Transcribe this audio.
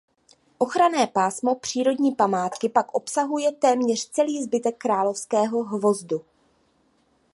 Ochranné pásmo přírodní památky pak obsahuje téměř celý zbytek Královského hvozdu.